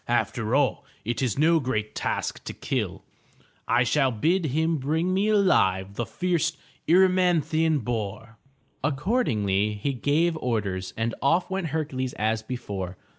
After all it is no great task to kill. I shall bid him bring me alive the fierce Er y man'thi an boar.'' Accordingly he gave orders, and off went Hercules as before.